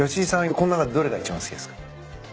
この中でどれが一番好きですか？